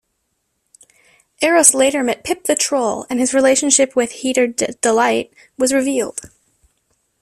Eros later met Pip the Troll, and his relationship with Heater Delight was revealed.